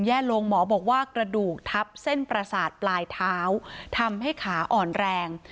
แย่ลงหมอบอกว่ากระดูกทับเส้นประสาทปลายเท้าทำให้ขาอ่อนแรง